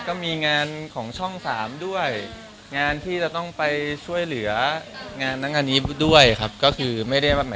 อย่างงั้นพี่ป๊อปตอนนี้ก็คือทุกวันเลยใช่ไหมครับวิกที่มามา